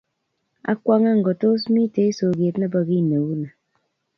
Akwongebngotos mitei soket nebo kiy neu noto